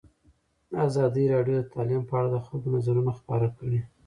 ازادي راډیو د تعلیم په اړه د خلکو نظرونه خپاره کړي.